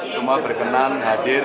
semua berkenan hadir